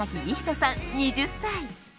さん、２０歳。